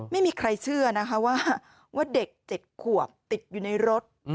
ไม่มีใครเชื่อนะคะว่าเด็ก๗ขวบติดอยู่ในรถ